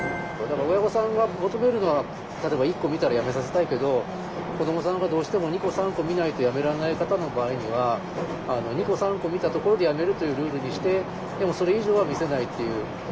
だから親御さんが求めるのは例えば１個見たらやめさせたいけど子どもさんがどうしても２個３個見ないとやめられない方の場合には２個３個見たところでやめるというルールにしてでもそれ以上は見せないっていう。